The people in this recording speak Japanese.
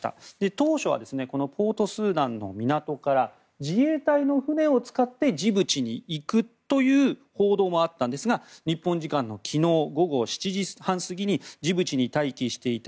当初はこのポートスーダンの港から自衛隊の船を使ってジブチに行くという報道もあったんですが日本時間の昨日午後７時半過ぎにジブチに待機していた